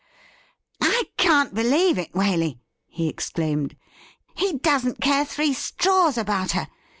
' I can't believe it, Waley,' he exclaimed. ' He doesn't care thi ee straws about her.